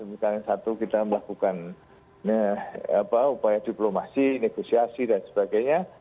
misalnya satu kita melakukan upaya diplomasi negosiasi dan sebagainya